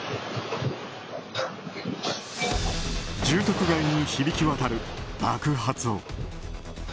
住宅街に響き渡る爆発音。